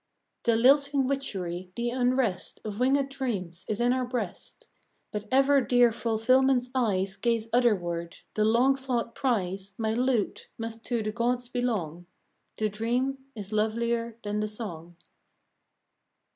The lilting witchery, the unrest Of wingèd dreams, is in our breast; But ever dear Fulfilment's eyes Gaze otherward. The long sought prize, My lute, must to the gods belong. The dream is lovelier than the song.